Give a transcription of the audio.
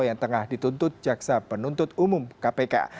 yang tengah dituntut jaksa penuntut umum kpk